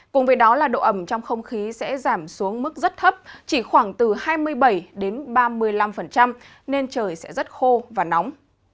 cùng với đó là độ ẩm trong không khí sẽ giảm xuống mức rất thấp chỉ khoảng từ hai mươi bảy ba mươi năm nên trời sẽ rất khô và nóng